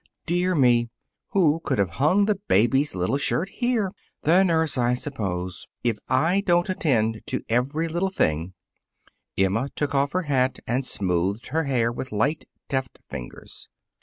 Dear me; who could have hung the baby's little shirt here? The nurse, I suppose. If I don't attend to every little thing " Emma took off her hat and smoothed her hair with light, deft fingers.